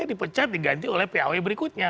dipecat diganti oleh paw berikutnya